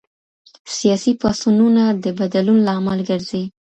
سياسي پاڅونونه د بدلون لامل ګرځي.